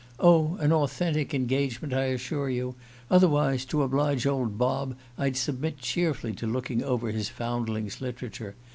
"Oh, an authentic engagement, I assure you: otherwise, to oblige old Bob I'd submit cheerfully to looking over his foundling's literature.